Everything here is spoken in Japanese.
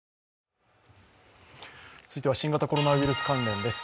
続いては新型コロナウイルス関連です。